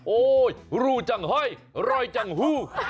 โอ้ยรู้จังเฮ้ยรอยจังฮู้